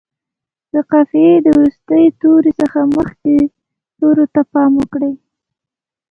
د قافیې د وروستي توري څخه مخکې تورو ته پام وکړو.